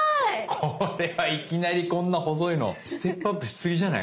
これはいきなりこんな細いのステップアップしすぎじゃない？